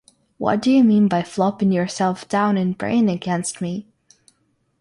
What do you mean by flopping yourself down and praying against me?